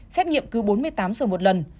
xét nghiệm cứ bốn mươi tám giờ một lần